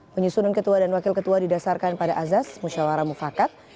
penyusunan ketua dan wakil ketua didasarkan pada azaz musyawarah mufakat